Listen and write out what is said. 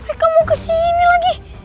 mereka mau kesini lagi